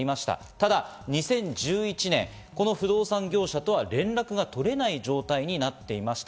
ただ２０１１年、この不動産業者とは連絡が取れない状態になっていました。